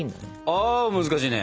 あ難しいね！